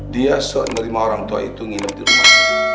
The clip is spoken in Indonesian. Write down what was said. dia soal menerima orang tua itu nginap di rumah